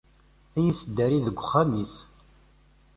A iyi-isdari deg uxxam-is.